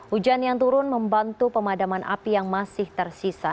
hujan yang turun membantu pemadaman api yang masih tersisa